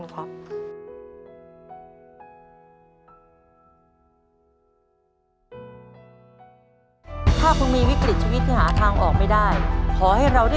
ขอบคุณครับ